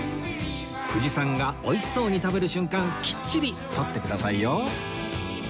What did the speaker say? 藤さんが美味しそうに食べる瞬間きっちり撮ってくださいよ